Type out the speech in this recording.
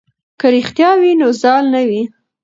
که رښتیا وي نو زال نه وي.